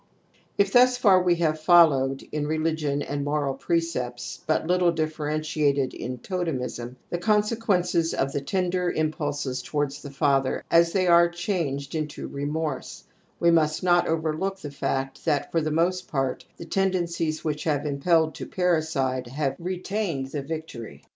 R // 242 TOTEM AND TABOO If thus far we have followed, in religion and moral precepts — ^but little differentiated in to temism — ^the consequences of the tender im pulses towards the father as they are changed into remorse, we must not overlook the fact that for the most part the tendencies which have impelled to parricide have retained the victory.